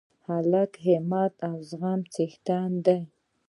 هلک د همت او زغم څښتن دی.